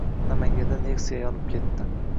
Namanganda Nexia yonib ketdi